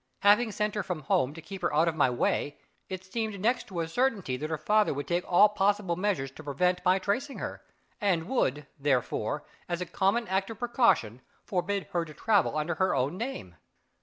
Having sent her from home to keep her out of my way, it seemed next to a certainty that her father would take all possible measures to prevent my tracing her, and would, therefore, as a common act of precaution, forbid her to travel under her own name.